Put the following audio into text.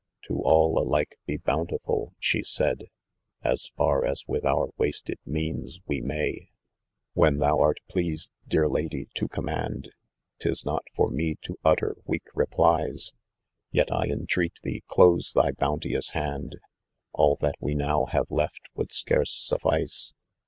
To all alike be bountiful," she said, «* As far as with our w asted means we may.'* . « When thou art pleased, dear lady, to command, Til not tor me to utter weak replies i Yet, I entreat thee close thy bounteous hand, All that we now have left would scarce suffice.